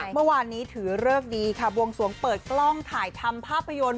เมื่อวานนี้ถือเลิกดีค่ะบวงสวงเปิดกล้องถ่ายทำภาพยนตร์